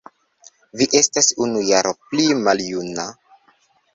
Vi estas unu jaro pli maljuna